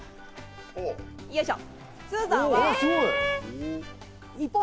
よいしょ！